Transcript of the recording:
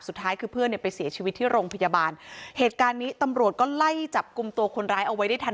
สุดท้ายคือเพื่อนเนี่ยไปเสียชีวิตที่โรงพยาบาลเหตุการณ์นี้ตำรวจก็ไล่จับกลุ่มตัวคนร้ายเอาไว้ได้ทัน